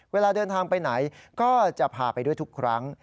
เวลาเดินทางไปไหนก็จะพาไปด้วยทุกครั้ง